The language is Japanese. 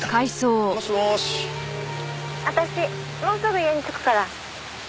もうすぐ家に着くから」